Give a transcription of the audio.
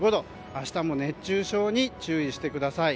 明日も熱中症に注意してください。